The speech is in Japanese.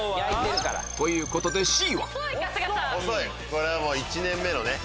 これは１年目のね。